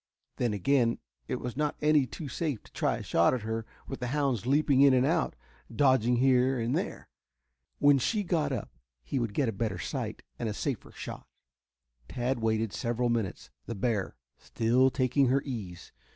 Then, again, it was not any too safe to try a shot at her with the hounds leaping in and out, dodging here and there. When she got up he would get a better sight and a safer shot. Tad waited several minutes, the bear still taking her ease.